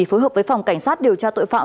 phối hợp với phòng cảnh sát điều tra tội phạm